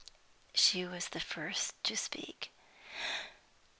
She was the first to speak.